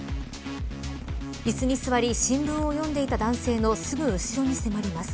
椅子に座り新聞を読んでいた男性のすぐ後ろに迫ります。